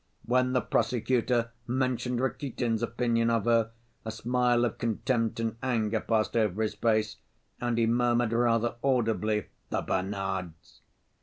When the prosecutor mentioned Rakitin's opinion of her, a smile of contempt and anger passed over his face and he murmured rather audibly, "The Bernards!"